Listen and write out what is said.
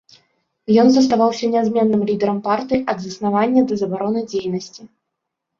Ён заставаўся нязменным лідарам партыі ад заснавання да забароны дзейнасці.